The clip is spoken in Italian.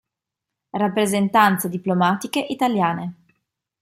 Rappresentanze diplomatiche italiane